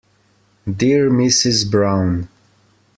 Dear Mrs Brown.